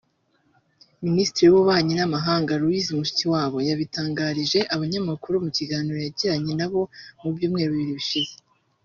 Minisitiri w’Ububanyi n’Amahanga Lousi Mushikiwabo yabitangarije abanyamakuru mu kiganiro yagiranye nabo mu byumweru bibiri bishinze